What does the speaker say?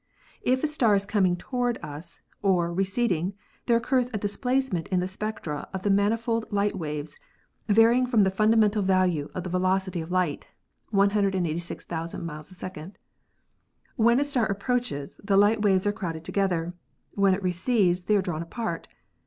If a star is coming toward us or receding there occurs a displacement in the spectra of the manifold light waves varying from the fundamental value of the velocity of light, 186,000 miles a second. When a star approaches, the light waves are crowded together; when it recedes they are drawn apart.